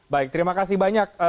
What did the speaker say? baik terima kasih banyak